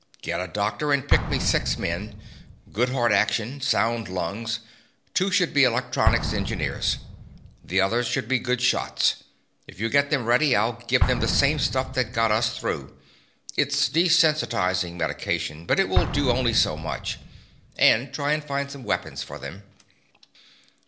Get a doctor to pick me six men. Good heart action. Sound lungs. Two should be electronics engineers. The others should be good shots. If you get them ready, I'll give them the same stuff that got us through. It's desensitizing medication, but it will do only so much. And try and find some weapons for them."